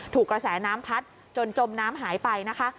กระแสน้ำพัดจนจมน้ำหายไปนะคะ